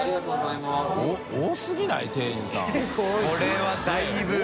これはだいぶ。